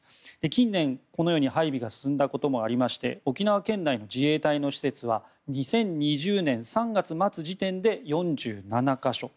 近年、このように配備が進んだこともありまして沖縄県内の自衛隊の施設は２０２０年３月末時点で４７か所。